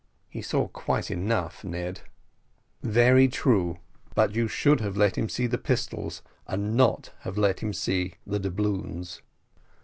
"He saw quite enough, Ned." "Very true, but you should have let him see the pistols, and not have let him see the doubloons."